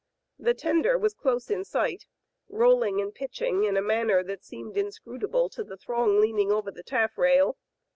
The tender was close in sight, rolling and pitching in a manner that seemed inscrutable to the throng leaning over the taffrail.